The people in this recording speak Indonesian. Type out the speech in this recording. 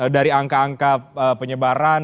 dari angka angka penyebaran